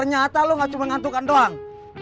ternyata lu nggak cuma ngantukan doang